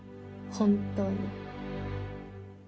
本当に。